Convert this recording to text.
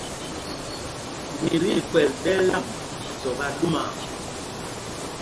Mi ti kpɛ̌l ɗɛ̄l ām Zɔk aa ɗúmaa.